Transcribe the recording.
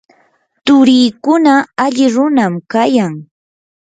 turiikuna alli runam kayan.